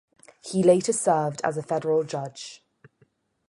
He later served as a Federal Judge.